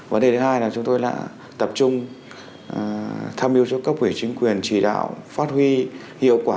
vấn đề thứ hai là chúng tôi đã tập trung tham mưu cho cấp ủy chính quyền chỉ đạo phát huy hiệu quả